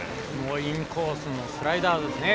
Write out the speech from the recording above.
インコースのスライダーですね。